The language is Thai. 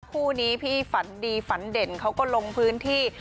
คู่นี้พี่ฝันดีฝันเด่นเขาก็ลงพื้นที่